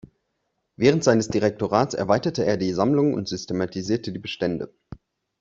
Während seines Direktorats erweiterte er die Sammlungen und systematisierte die Bestände.